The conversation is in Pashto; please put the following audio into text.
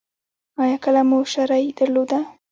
ایا کله مو شری درلوده؟